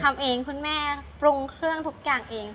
ทำเองคุณแม่ปรุงเครื่องทุกอย่างเอง